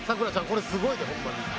これすごいでホンマに。